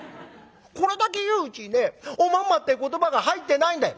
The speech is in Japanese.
これだけ言ううちにねおまんまって言葉が入ってないんだよ」。